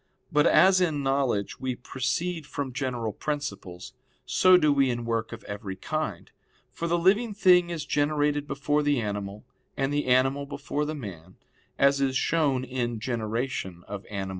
But as in knowledge we proceed from general principles, so do we in work of every kind. For the living thing is generated before the animal, and the animal before the man, as is shown in _De Gener. Anim.